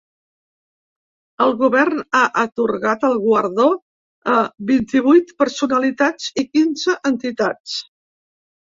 El govern ha atorgat el guardó a vint-i-vuit personalitats i quinze entitats.